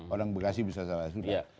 orang bekasi bisa berasa sunda